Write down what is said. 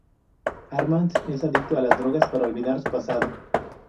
Armand es adicto a las drogas para olvidar su pasado.